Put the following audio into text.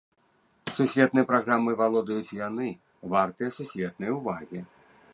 Сусветнай праграмай валодаюць яны, вартыя сусветнай увагі!